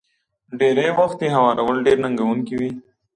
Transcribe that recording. ډېری وخت يې هوارول ډېر ننګوونکي وي.